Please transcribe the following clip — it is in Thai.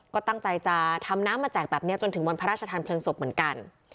ก็ตั้งใจจะทำน้ำมาแจกแบบนี้จนถึงวันพระราชทานเพลิงศพเหมือนกัน